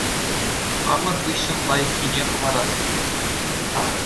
Хамӑр хыҫҫӑн лайӑххине хӑварас килет